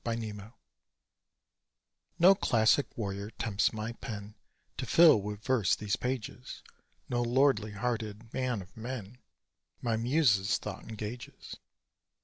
Rover No classic warrior tempts my pen To fill with verse these pages No lordly hearted man of men My Muse's thought engages.